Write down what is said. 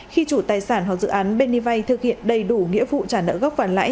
khi chủ tài sản hoặc dự án bên đi vay thực hiện đầy đủ nghĩa vụ trả nợ gốc và lãi